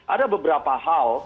ada beberapa hal